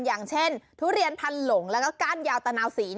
อย่างเช่นทุเรียนพันหลงแล้วก็ก้านยาวตะนาวสี